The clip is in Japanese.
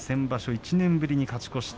１年ぶりに勝ち越しました。